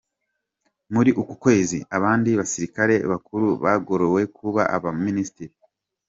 Muri uku kwezi abandi basirikare bakuru bagororewe kuba Abaminisitiri.